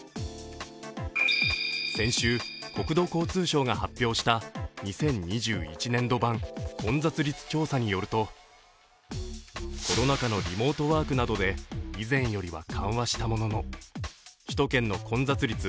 先週、国土交通省が発表した２０２１年度版混雑率調査によると、コロナ禍のリモートワークなどで以前よりは緩和したものの首都圏の混雑率